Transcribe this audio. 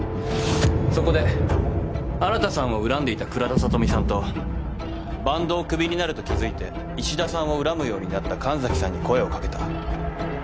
そこで新さんを恨んでいた倉田聡美さんとバンドをクビになると気付いて衣氏田さんを恨むようになった神崎さんに声を掛けた。